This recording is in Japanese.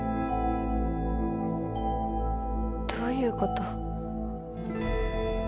どういうこと？